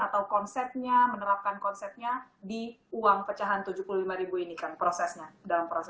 atau konsepnya menerapkan konsepnya di uang pecahan tujuh puluh lima ini kan prosesnya